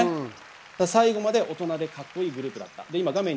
最後まで大人でカッコいいグループでした。